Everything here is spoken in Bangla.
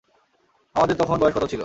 আমাদের তখন বয়স কত ছিল?